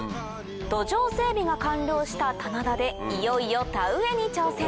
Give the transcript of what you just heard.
土壌整備が完了した棚田でいよいよ田植えに挑戦